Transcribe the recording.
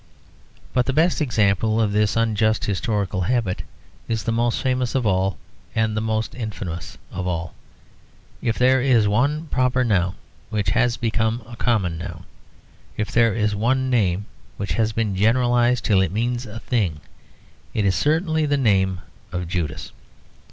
But the best example of this unjust historical habit is the most famous of all and the most infamous of all. If there is one proper noun which has become a common noun, if there is one name which has been generalised till it means a thing, it is certainly the name of Judas.